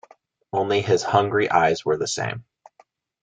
Only his hungry eyes were the same.